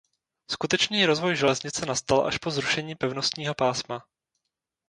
Skutečný rozvoj železnice nastal až po zrušení pevnostního pásma.